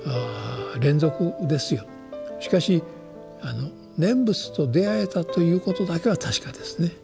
しかし念仏とであえたということだけは確かですね。